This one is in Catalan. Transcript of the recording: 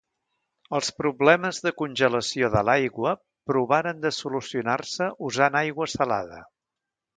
Els problemes de congelació de l’aigua provaren de solucionar-se usant aigua salada.